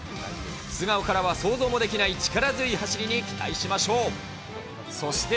素顔からは想像もできない力強い走りに期待しましょう。